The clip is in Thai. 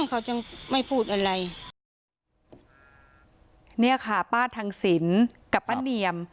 เขาจะไม่พูดอะไรเนี่ยค่ะป้าทังศิลป์กับป้าเนียม